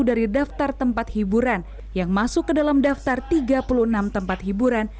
dari daftar tempat hiburan yang masuk ke dalam daftar tiga puluh enam tempat hiburan